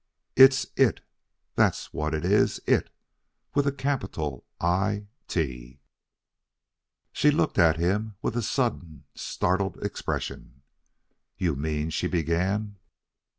It's IT, that's what it is IT, with a capital I T." She looked at him with a sudden, startled expression. "You mean ?" she began.